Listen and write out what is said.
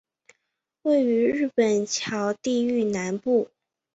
位于日本桥地域南部。